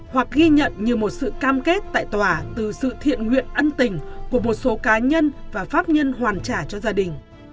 hoặc ghi nhận như một sự cam kết tại tòa từ sự thiện nguyện ân tình của một số cá nhân và pháp nhân hoàn trả cho gia đình